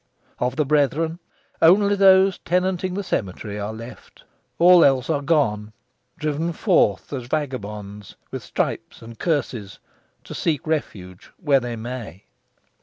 Of the brethren, only those tenanting the cemetery are left. All else are gone, driven forth, as vagabonds, with stripes and curses, to seek refuge where they may.